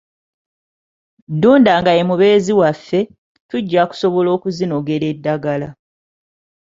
Ddunda nga ye mubeezi waffe, tujja kusobola okuzinogera eddagala.